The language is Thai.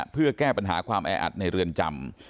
เพื่อแก้ปัญหาความแออัดในเรือนจำ